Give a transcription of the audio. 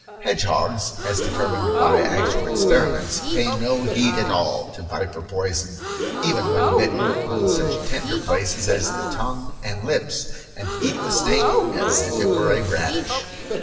Hedgehogs, as determined by actual experiments, pay no heed at all to viper poison even when bitten on such tender places as the tongue and lips and eat the snake as if it were a radish.